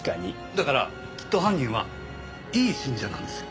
だからきっと犯人はいい信者なんですよ。